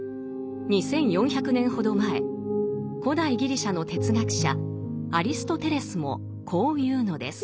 ２，４００年ほど前古代ギリシャの哲学者アリストテレスもこう言うのです。